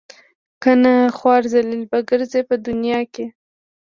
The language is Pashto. کنه خوار ذلیل به ګرځئ په دنیا کې.